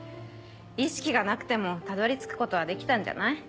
意識がなくてもたどり着くことはできたんじゃない？